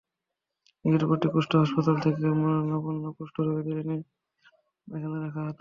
নিকটবর্তী কুষ্ঠ হাসপাতাল থেকে মরণাপন্ন কুষ্ঠ রোগীদের এনে এখানে রাখা হতো।